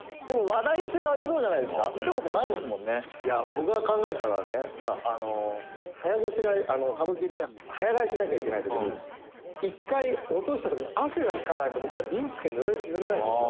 「僕が考えたのはね早ごしらえ歌舞伎で早替えしなきゃいけない時に１回、落とした時に汗が引かないと僕ら、びんつけ塗れないんですよ」